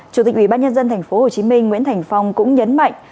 chủ tịch ubnd tp hcm nguyễn thành phong cũng nhấn mạnh